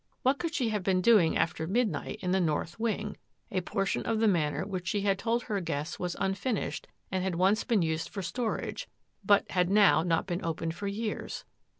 What could she have been doing after midnight in the north wing — a portion of the Manor which she had told her guests was unfinished and had once been used for storage, but had now not been opened for years?